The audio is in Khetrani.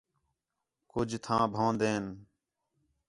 کُج تھاں بھنؤندِن